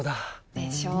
でしょ？